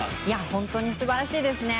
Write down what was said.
本当に素晴らしいですね。